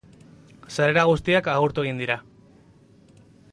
Sarrera guztiak agortu egin dira.